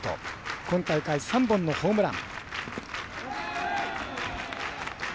今大会、３本のホームラン。